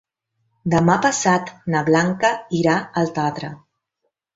Demà passat na Blanca irà al teatre.